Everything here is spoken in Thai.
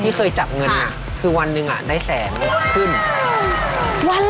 ที่เคยจับเงินคือวันหนึ่งได้แสนขึ้นว้าว